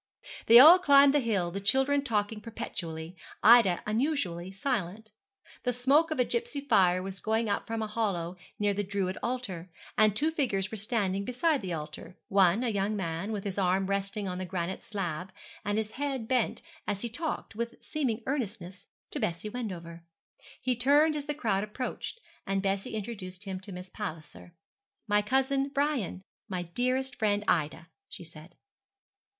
They all climbed the hill, the children talking perpetually, Ida unusually silent. The smoke of a gipsy fire was going up from a hollow near the Druid altar, and two figures were standing beside the altar; one, a young man, with his arm resting on the granite slab, and his head bent as he talked, with seeming earnestness, to Bessie Wendover. He turned as the crowd approached, and Bessie introduced him to Miss Palliser. 'My cousin Brian my dearest friend Ida,' she said.